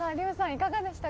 いかがでした？